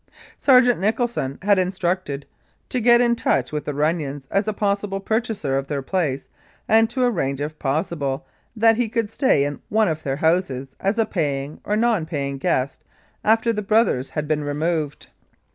Sergeant Nicholson was instructed to get in touch with the Runnions as a possible purchaser of their place and to arrange, if possible, that he could stay in one of their houses as a paying or non paying guest after the brothers had been removed.